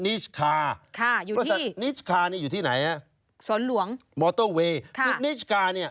นิชด์คารนี่อยู่ที่ไหน